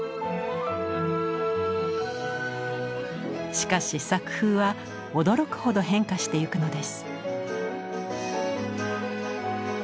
しかし作風は驚くほど変化していくのです。